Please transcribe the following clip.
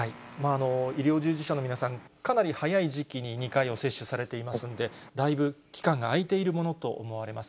医療従事者の皆さん、かなり早い時期に２回を接種されていますんで、だいぶ期間が空いているものと思われます。